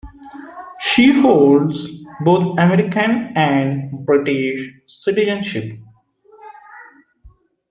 She holds both American and British citizenship.